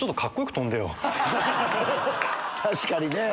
確かにね。